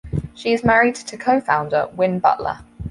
She is married to co-founder Win Butler.